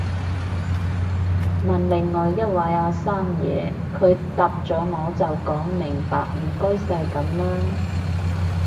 問另一位阿生嘢，佢答咗我就講明白唔該晒噉啦